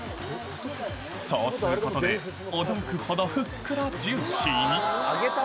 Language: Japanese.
そうすることで、驚くほどふっくらジューシーに。